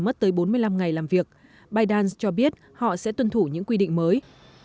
mất tới bốn mươi năm ngày làm việc biden cho biết họ sẽ tuân thủ những quy định mới